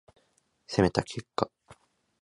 攻めた結果